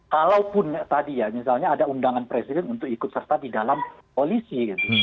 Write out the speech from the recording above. kalaupun tadi ya misalnya ada undangan presiden untuk ikut serta di dalam polisi